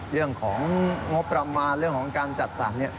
เรื่องของงบประมาณเรื่องของการจัดสรร